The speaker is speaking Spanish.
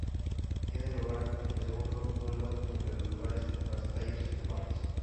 Tiene lugar el segundo duelo entre los grupos "castellers" de Valls.